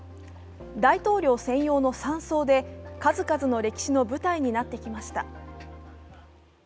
大統領専用の山荘で数々の歴史の舞台になってきました。